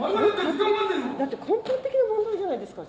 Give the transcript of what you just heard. だって根本的な問題じゃないですか。